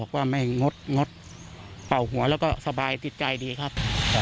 ความเรื่องใส่สัทธาเราลดล้อยลงนะครับ